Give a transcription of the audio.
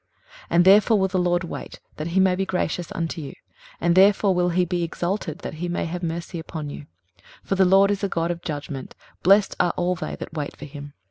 23:030:018 And therefore will the LORD wait, that he may be gracious unto you, and therefore will he be exalted, that he may have mercy upon you: for the LORD is a God of judgment: blessed are all they that wait for him.